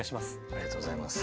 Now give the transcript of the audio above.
ありがとうございます。